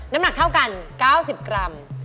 น้ำหนักเท่ากัน๙๐กรัม